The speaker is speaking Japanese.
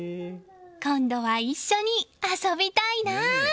今度は一緒に遊びたいな。